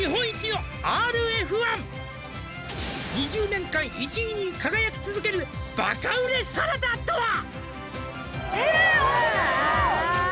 「２０年間１位に輝き続ける」「バカ売れサラダとは？」